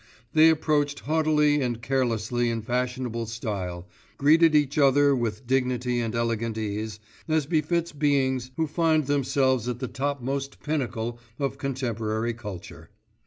They approached haughtily and carelessly in fashionable style, greeted each other with dignity and elegant ease, as befits beings who find themselves at the topmost pinnacle of contemporary culture.